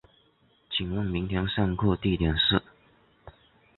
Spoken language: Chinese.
请问明天上课地点是